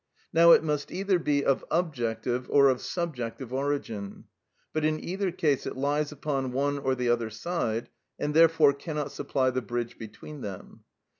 Now it must either be of objective or of subjective origin; but in either case it lies upon one or the other side, and therefore cannot supply the bridge between them.